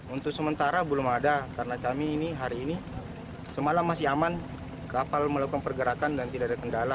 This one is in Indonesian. untuk sementara belum ada karena kami ini hari ini semalam masih aman kapal melakukan pergerakan dan tidak ada kendala